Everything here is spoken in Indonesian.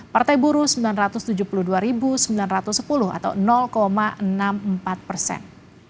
partai buruh sembilan ratus tujuh puluh dua sembilan ratus sepuluh atau enam puluh empat persen